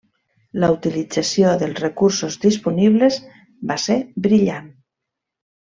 La utilització dels recursos disponibles va ser brillant.